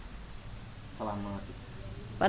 setelah sekembalinya kami pulang kami tidak tahu